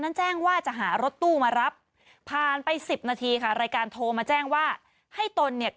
แจ้งว่าจะหารถตู้มารับผ่านไปสิบนาทีค่ะรายการโทรมาแจ้งว่าให้ตนเนี่ย